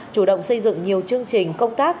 chủ động xây dựng nhiều chương trình công tác